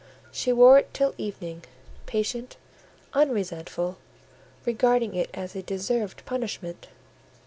She wore it till evening, patient, unresentful, regarding it as a deserved punishment.